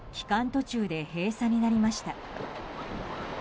途中で閉鎖になりました。